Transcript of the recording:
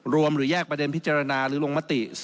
หรือแยกประเด็นพิจารณาหรือลงมติ